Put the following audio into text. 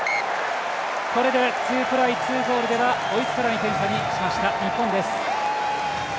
これで２トライ２ゴールでは追いつかない点差にしました日本です。